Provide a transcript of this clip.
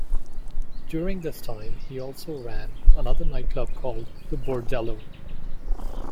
During this time, he also ran another nightclub called the Bordello.